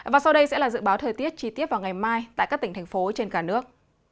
và sau đây sẽ là dự báo thời tiết chi tiết vào ngày mai tại các tỉnh thành phố trên cả nước